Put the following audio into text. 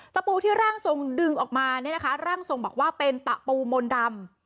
ตะปูที่ร่างทรงดึงออกมาเนี่ยนะคะร่างทรงบอกว่าเป็นตะปูมนต์ดำ